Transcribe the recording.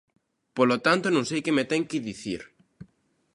Polo tanto, non sei que me ten que dicir.